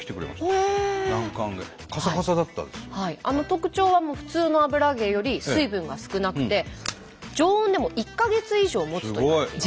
特徴は普通の油揚げより水分が少なくて常温でも１か月以上もつといわれています。